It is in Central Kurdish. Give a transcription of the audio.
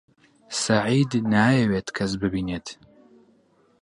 سەعید نایەوێت کەس ببینێت.